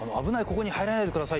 ここに、はいらないでください。」